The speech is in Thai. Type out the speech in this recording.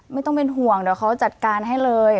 ไม่ต้องเป็นห่วงเดี๋ยวเขาจัดการให้เลย